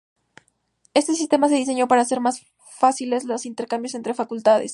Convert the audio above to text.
Este sistema se diseñó para hacer más fáciles los intercambios entre facultades.